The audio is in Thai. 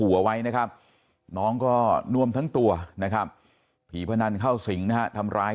เอาไว้นะครับน้องก็น่วมทั้งตัวนะครับผีพนันเข้าสิงนะฮะทำร้าย